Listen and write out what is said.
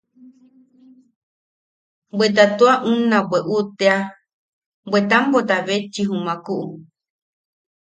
Bweta tua unna bweʼu tea bwe tambota bechi jumakuʼu.